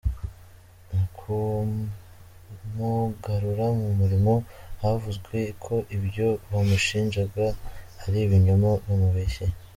Mu kumugarura mu murimo, havuzwe ko ibyo bamushinjaga ari ibinyoma bamubeshyeye.